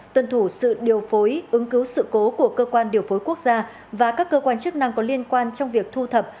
tuân thủ sự điều phối ứng cứu sự cố của cơ quan điều phối quốc gia và các cơ quan chức năng có liên quan trong việc thu thập